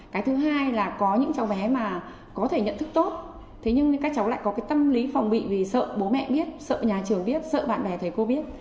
cái thứ hai là có những cháu bé mà có thể nhận thức tốt thế nhưng các cháu lại có cái tâm lý phòng bị vì sợ bố mẹ biết sợ nhà trường biết sợ bạn bè thầy cô biết